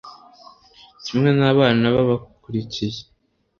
kimwe n'abana babakurikiye